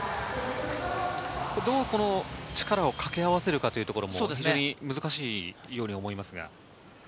どう力をかけ合わせるかというところも難しいように思います。